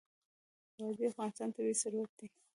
وادي د افغانستان طبعي ثروت دی.